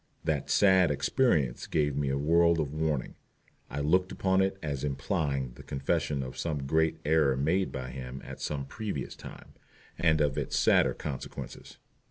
That "sad experience" gave me a world of warning. I looked upon it as implying the confession of some great error made by him at some previous time, and of its sadder consequences.